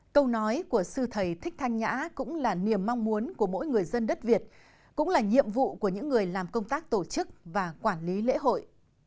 câu nói của sư thầy thích thanh nhã cũng là niềm mong muốn của mỗi người dân đất việt cũng là nhiệm vụ của những người làm công tác tổ chức và quản lý lễ hội